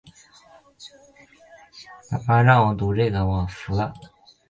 因为阴茎射精前流出的液体就足以造成性病传染或怀孕。